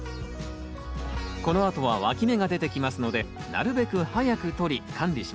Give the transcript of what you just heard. このあとはわき芽が出てきますのでなるべく早くとり管理します。